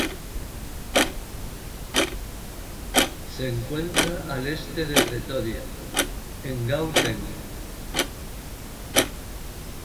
Se encuentra al este de Pretoria, en Gauteng.